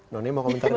noni mau komentar dulu